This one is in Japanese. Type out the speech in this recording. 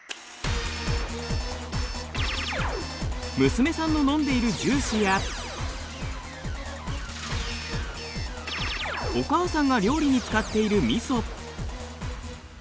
娘さんの飲んでいるジュースやお母さんが料理に使っているみそ。